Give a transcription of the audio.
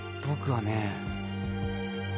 僕はね